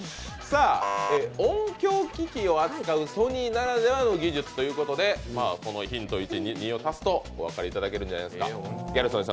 音響機器を扱うソニーならではの技術ということでヒント１に２を足すとお分かりになるんじゃないですか。